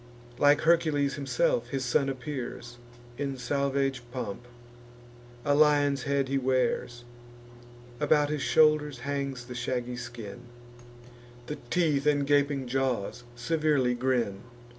Like Hercules himself his son appears, In salvage pomp; a lion's hide he wears; About his shoulders hangs the shaggy skin; The teeth and gaping jaws severely grin.